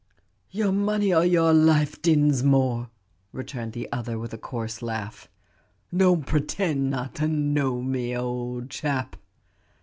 "Your money or your life, Dinsmore," returned the other with a coarse laugh. "Don't pretend not to know me, old chap."